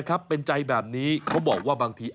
ฝีประจำนวนใจแบบนี้เขาบอกว่าบางที